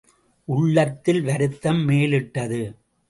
உள்ளத்தில் வருத்தம் மேலிட்டது.